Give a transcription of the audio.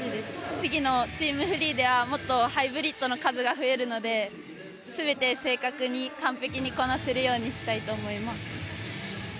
次のチームフリーでは、もっとハイブリッドの数が増えるので全て正確に完璧にこなせるようにしたいと思います。